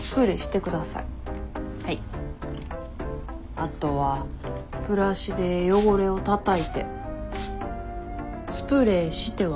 あとはブラシで汚れをたたいてスプレーしてはたたく。